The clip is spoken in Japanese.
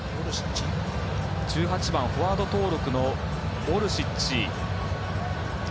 １８番、フォワード登録のオルシッチ。